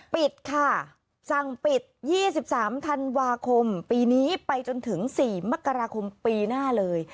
ปิดค่ะสั่งปิด๒๓ธันวาคมปีนี้ไปจนถึง๔มกราคมปีหน้าเลย